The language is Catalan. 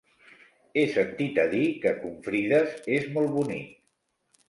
He sentit a dir que Confrides és molt bonic.